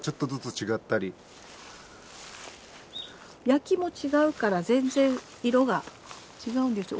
焼きも違うから全然色が違うんです。